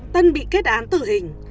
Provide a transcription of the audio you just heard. tân bị kết án tử hình